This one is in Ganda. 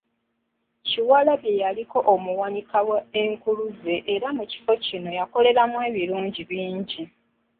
Kyewalabye yaliko omuwanika w’Enkuluze era nga mu kifo kino yakoleramu ebiringi bingi.